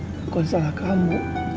bukan salah kamu